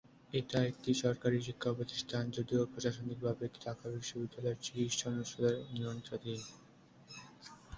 এটা একটি সরকারি শিক্ষা প্রতিষ্ঠান; যদিও প্রশাসনিকভাবে এটি ঢাকা বিশ্ববিদ্যালয়ের চিকিৎসা অনুষদের নিয়ন্ত্রণাধীন।